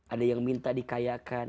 ada yang minta dikayakan